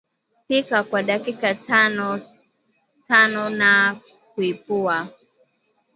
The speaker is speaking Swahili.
Pika kwa dakika tanona kuipua